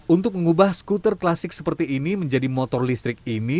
untuk mengubah skuter klasik seperti ini menjadi motor listrik ini